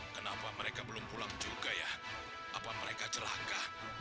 kenapa mereka belum pulang juga ya apa mereka celaka